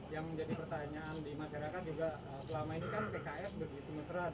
yang menjadi pertanyaan di masyarakat